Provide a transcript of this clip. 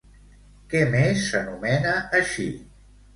Què més s'anomena així?